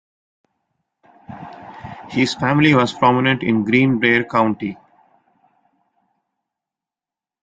His family was prominent in Greenbrier County.